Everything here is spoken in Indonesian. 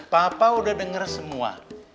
papa udah denger semua